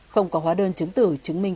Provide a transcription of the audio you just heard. không có hóa đơn chứng tử chứng minh